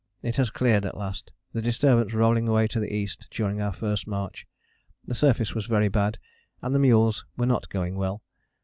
_ It has cleared at last, the disturbance rolling away to the east during our first march. The surface was very bad and the mules were not going well.